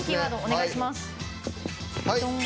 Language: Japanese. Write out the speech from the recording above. お願いします。